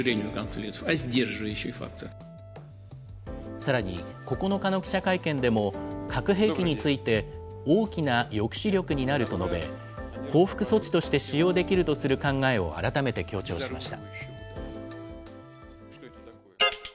さらに９日の記者会見でも、核兵器について大きな抑止力になると述べ、報復措置として使用できるとする考えを改めて強調しました。